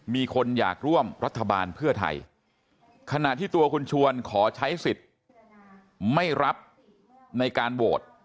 มีคนอยากร่วมรัฐบาลเพื่อไทยขณะที่ตัวคุณชวนขอใช้สิทธิ์ไม่รับในการโหวต